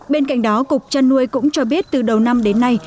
bên cạnh đó cục trăn nuôi cũng cho biết từ đầu năm đến nay